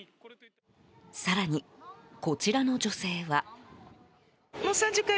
更に、こちらの女性は。